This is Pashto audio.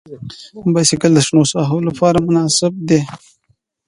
بایسکل د شنو ساحو لپاره مناسب دی.